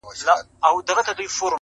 دا مي سمنډوله ده، برخه مي لا نوره ده.